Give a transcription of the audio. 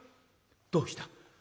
「どうした？」。